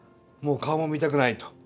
もう顔も見たくないと。